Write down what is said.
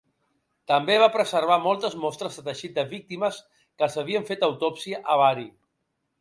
També va preservar moltes mostres de teixit de víctimes que els havien fet autòpsia a Bari.